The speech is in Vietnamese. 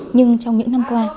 nhưng trong những năm qua